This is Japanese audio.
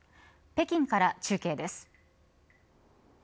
北京から中継です。